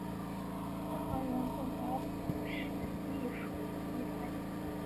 任何人不得迫使隶属于某一团体。